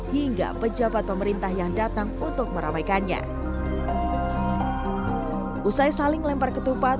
hingga pejabat pemerintah yang datang untuk meramaikannya usai saling lempar ketupat